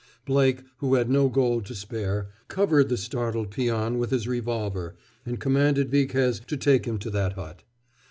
Blake, who had no gold to spare, covered the startled peon with his revolver and commanded Viquez to take him to that hut.